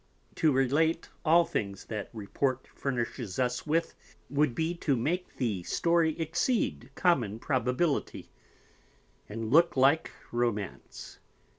To relate all Things, that report Furnishes us with, would be to make the story exceed common probability, and look like Romance.